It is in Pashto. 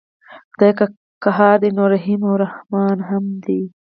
خدای که قهار دی نو رحیم او رحمن هم دی.